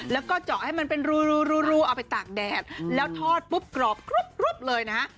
แล้วก็เจาะให้มันเป็นรูเอาไปตากแดดแล้วทอดปุ๊บกรอบกรุ๊บเลยนะฮะ